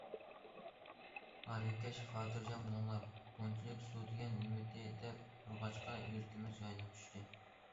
ھارۋىكەش‹ خاتىرجەم بولۇڭلار، بۇنچىلىك سۇ دېگەن نېمىتى!› دەپ تۇرغاچقا يۈرىكىمىز جايىغا چۈشتى.